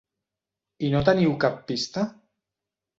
I no teniu cap pista?